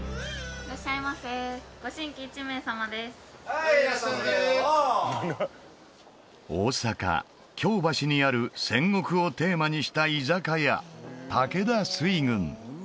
いらっしゃいませどうぞ大阪京橋にある戦国をテーマにした居酒屋武田水軍